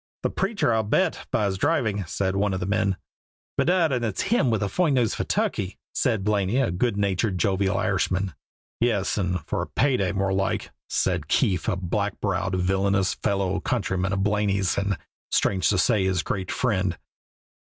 "The preacher, I'll bet, by his driving," said one of the men. "Bedad, and it's him has the foine nose for turkey!" said Blaney, a good natured, jovial Irishman. "Yes, or for pay day, more like," said Keefe, a black browed, villainous fellow countryman of Blaney's and, strange to say, his great friend.